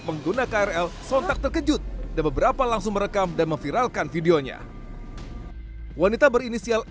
pengguna krl sontak terkejut dan beberapa langsung merekam dan memviralkan videonya wanita berinisial